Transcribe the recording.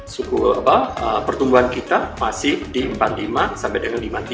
suku pertumbuhan kita masih di empat puluh lima sampai dengan lima puluh tiga